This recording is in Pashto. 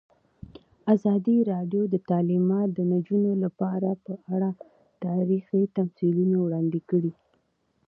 ازادي راډیو د تعلیمات د نجونو لپاره په اړه تاریخي تمثیلونه وړاندې کړي.